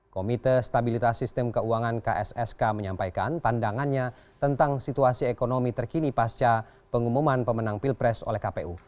komite stabilitas sistem keuangan kssk menyampaikan pandangannya tentang situasi ekonomi terkini pasca pengumuman pemenang pilpres oleh kpu